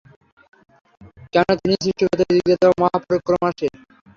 কেননা তিনিই সৃষ্টিকর্তা, রিযিকদাতা ও মহাপরাক্রমশালী।